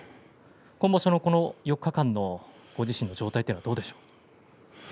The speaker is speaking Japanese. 今場所の４日間のご自身の状態はどうでしょう。